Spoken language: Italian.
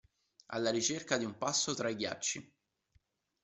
Alla ricerca di un passo tra i ghiacci.